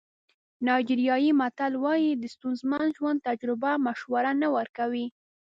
نایجیریایي متل وایي د ستونزمن ژوند تجربه مشوره نه ورکوي.